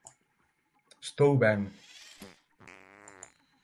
Estou ben.